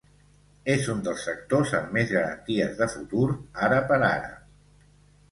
És un dels sectors amb més garanties de futur ara per ara.